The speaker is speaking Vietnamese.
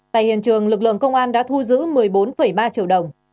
tại hiện trường lực lượng công an đã thu giữ một mươi bốn ba triệu đồng